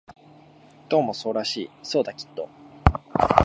どうもそうらしい、そうだ、きっと